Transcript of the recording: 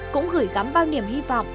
cũng gửi gắm bao niềm hy vọng